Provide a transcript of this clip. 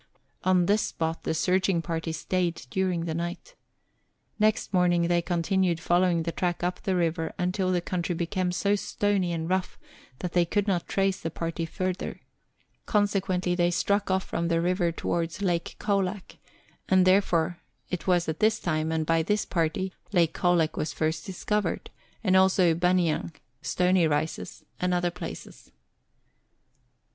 On this spot the searching party stayed during the night. Next morn ing they continued following the track up the river until the country became so stony and rough that they could not trace the party further; consequently they struck off from the river towards Lake Colac; and therefore, it was at this time, and by this party, Lake Colac was first discovered, and also Buninyong, Stony Rises, and other places.